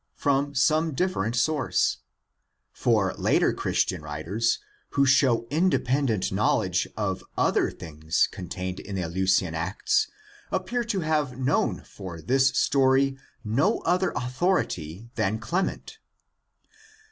42) from some different source; for later Christian writers, who show independent knowledge of other things contained in the Leucian Acts, appear to have known for this story no other authority than Clement.